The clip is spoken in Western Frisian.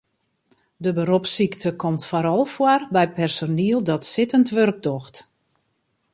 De beropssykte komt foaral foar by personiel dat sittend wurk docht.